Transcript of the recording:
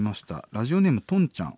ラジオネームとんちゃん。